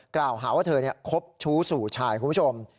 กล่าวหาว่าเธอคบชู้สู่ชายคุณผู้ชม